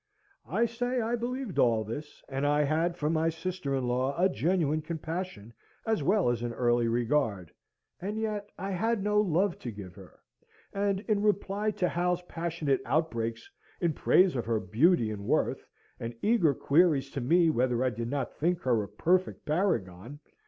I say I believed all this; and had for my sister in law a genuine compassion, as well as an early regard; and yet I had no love to give her; and, in reply to Hal's passionate outbreaks in praise of her beauty and worth, and eager queries to me whether I did not think her a perfect paragon?